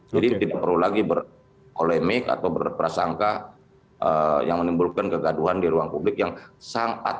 jadi tidak perlu lagi berkolemik atau berprasangka yang menimbulkan kegaduhan di ruang publik yang sangat